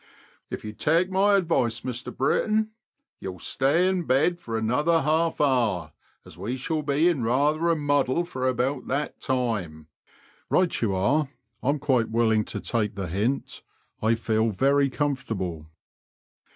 '* If you take my advice, Mr B , you'll stay in bed for another half hour, as we shall be in rather a muddle for about that time." •* Right you are. I'm quite willing to take the hint ; I feel very comfortable."